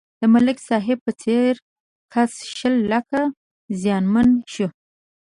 د ملک صاحب په څېر کس شل لکه زیانمن شو.